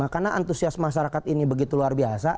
karena antusias masyarakat ini begitu luar biasa